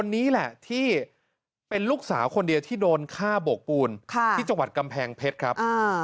อันนี้แหละที่เป็นลูกสาวคนเดียวที่โดนฆ่าโบกปูนที่จังหวัดกำแพงเพชรครับ